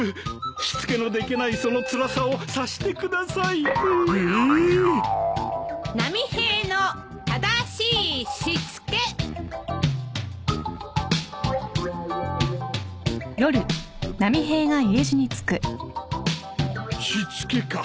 しつけのできないそのつらさを察してください。え！？しつけか。